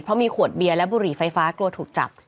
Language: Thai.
เพราะมีขวดเบียร์และบุหรี่ไฟฟ้ากลัวถูกจับ